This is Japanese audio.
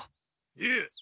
いえ。